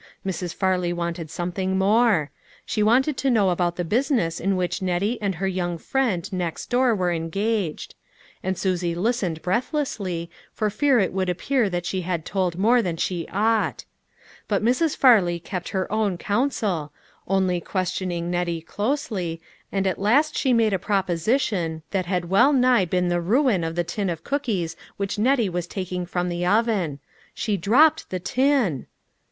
Mrs. Farley wanted some thing more ! she wanted to know about the business in which Nettie and her young friend next door were engaged ; and Susie listened breathlessly, for fear it would appear that she had told more than she ought. But Mrs. Far ley kept her own counsel, only questioning Net tie closely, and at last she made a proposition that had well nigh been the ruin of the tin of cookies which Nettie was taking from the oven. She dropped the tin